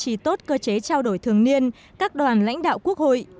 trì tốt cơ chế trao đổi thường niên các đoàn lãnh đạo quốc hội